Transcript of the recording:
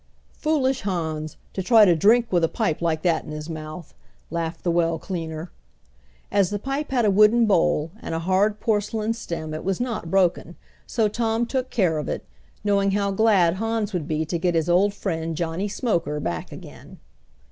"Foolish Hans to try to drink with a pipe like that in his mouth!" laughed the well cleaner. As the pipe had a wooden bowl and a hard porcelain stem it was not broken, so Tom took care of it, knowing how glad Hans would be to get his old friend "Johnnie Smoker" back again.